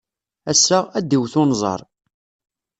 Ass-a, ad iwet unẓar.